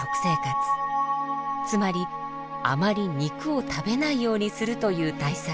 つまりあまり肉を食べないようにするという対策。